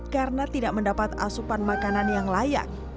karena tidak mendapat asupan makanan yang layak